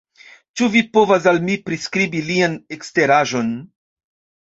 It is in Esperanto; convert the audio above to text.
Ĉu vi povas al mi priskribi lian eksteraĵon?